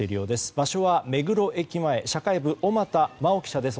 場所は目黒駅前社会部、小俣茉央記者です。